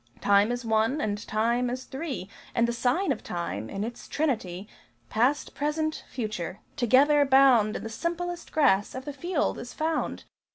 Time is one, and Time is three: And the sign of Time, in its Trinity Past, Present, Future, together bound In the simplest grass of the field is found!